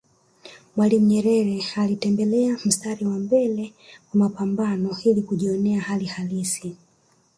Mwalimu Nyerere alitembelea mstari wa mbele wa mapambano ili kujjionea hali halisi